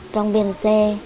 trong biển xe